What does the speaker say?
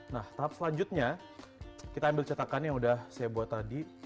nah tahap selanjutnya kita ambil cetakan yang udah saya buat tadi